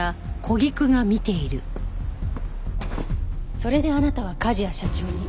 それであなたは梶谷社長に。